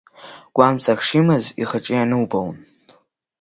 Гәамҵрак шимаз ихаҿы ианубаалон.